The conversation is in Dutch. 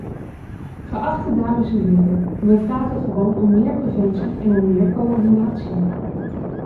Geachte dames en heren, wij vragen gewoon om meer preventie en om meer coördinatie.